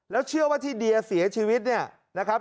แล้วเชื่อว่าที่เดียเสียชีวิตเนี่ยนะครับ